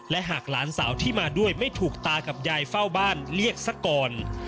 และหากหลานสาวที่มาด้วยไม่ถูกตากับยายเฝ้าบ้านเรียกซะก่อน